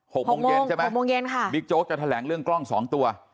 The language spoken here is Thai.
หกโมงเย็นใช่ไหมหกโมงเย็นค่ะบิ๊กโจ๊กจะแถลงเรื่องกล้องสองตัว